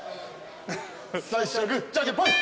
最初はグーじゃんけんぽい。